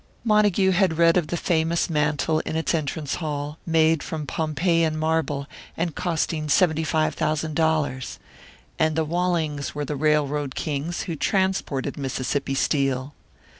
Montague had read of the famous mantel in its entrance hall, made from Pompeiian marble, and costing seventy five thousand dollars. And the Wallings were the railroad kings who transported Mississippi Steel!